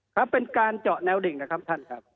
ครับเป็นการเจาะแนวดิ่งนะครับท่านครับ